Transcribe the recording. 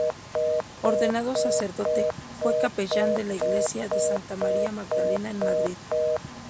Ordenado sacerdote, fue capellán de la iglesia de Santa María Magdalena en Madrid.